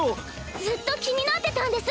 ずっと気になってたんです。